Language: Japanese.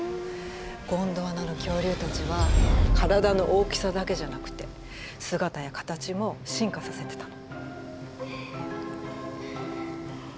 ゴンドワナの恐竜たちは体の大きさだけじゃなくて姿や形も進化させてたの。